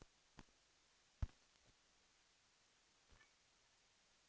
สวัสดีครับสวัสดีครับ